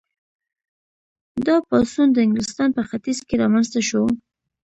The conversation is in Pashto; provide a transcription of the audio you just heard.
دا پاڅون د انګلستان په ختیځ کې رامنځته شو.